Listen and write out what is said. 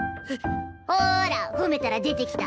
ほら褒めたら出てきた。